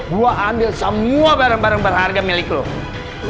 gua ambil semua barang barang berharga milik lu